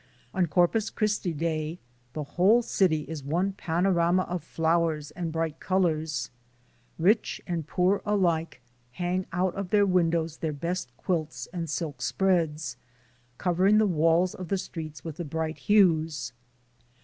On Corpus Christi day the whole city is one panorama of flowers and bright colors. Rich and poor alike hang out of their windows their best quilts and silk spreads, covering the walls of the streets witli the bright hues.